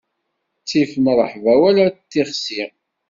Ttif mṛeḥba wala tixsi.